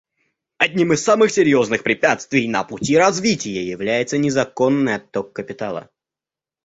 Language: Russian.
Одним из самых серьезных препятствий на пути развития является незаконный отток капитала.